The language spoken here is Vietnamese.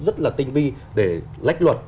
rất là tinh vi để lách luật